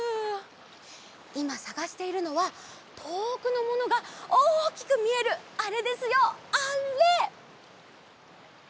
いまさがしているのはとおくのものがおおきくみえるあれですよあれ！